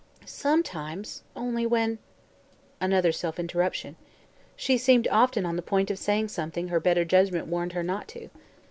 "Sometimes. Only when " Another self interruption. She seemed often on the point of saying something her better judgment warned her not to.